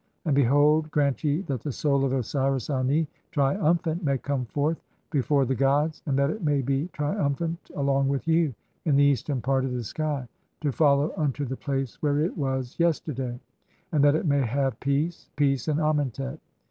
And behold, grant ye that the soul of Osiris "Ani, (n) triumphant, may come forth before the gods and "that it may be triumphant along with you in the eastern part "of the sky to follow unto the place where it was yesterday ; "[and that it may have] peace, peace in Amentet.